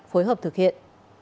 phối hợp thực hiện